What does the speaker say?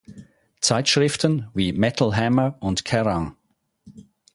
Zeitschriften, wie Metal Hammer und Kerrang!